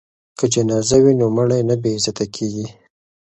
که جنازه وي نو مړی نه بې عزته کیږي.